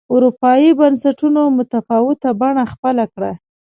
اروپایي بنسټونو متفاوته بڼه خپله کړه